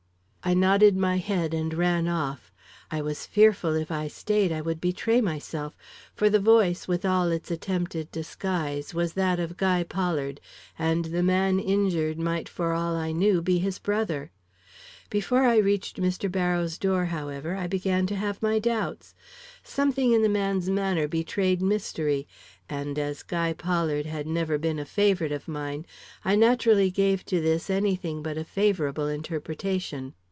"I nodded my head and ran off. I was fearful, if I stayed, I would betray myself; for the voice, with all its attempted disguise, was that of Guy Pollard, and the man injured might for all I knew be his brother. Before I reached Mr. Barrows' door, however, I began to have my doubts. Something in the man's manner betrayed mystery, and as Guy Pollard had never been a favorite of mine, I naturally gave to this any thing but a favorable interpretation.